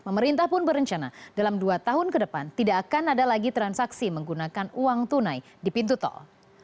pemerintah pun berencana dalam dua tahun ke depan tidak akan ada lagi transaksi menggunakan uang tunai di pintu tol